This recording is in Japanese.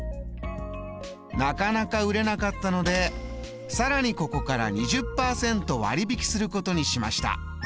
なかなか売れなかったのでさらにここから２０％割引することにしました。